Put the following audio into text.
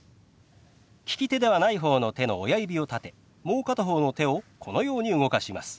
利き手ではない方の手の親指を立てもう片方の手をこのように動かします。